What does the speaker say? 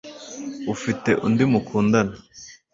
ufite undi mukundana